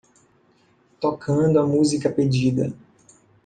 Tocando a música pedida.